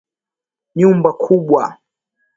Nyumba kubwa.